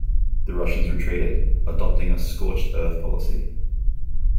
The Russians retreated, adopting a scorched-earth policy.